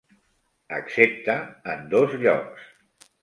Excepte en dos llocs.